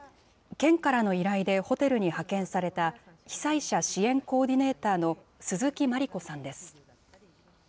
県からの依頼でホテルに派遣された被災者支援コーディネーターの鈴木まり子さんです。